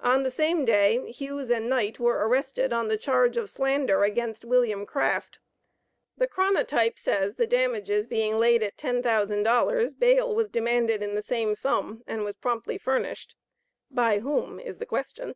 On the same day, Hughes and Knight were arrested on the charge of slander against William Craft. The Chronotype says, the damages being laid at $10,000; bail was demanded in the same sum, and was promptly furnished. By whom? is the question.